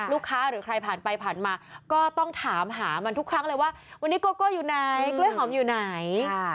หรือใครผ่านไปผ่านมาก็ต้องถามหามันทุกครั้งเลยว่าวันนี้โกโก้อยู่ไหนกล้วยหอมอยู่ไหน